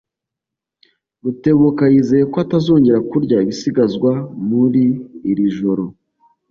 Rutebuka yizeye ko atazongera kurya ibisigazwa muri iri joro.